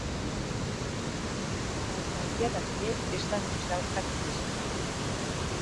El que hauria de fer és denunciar el franquisme.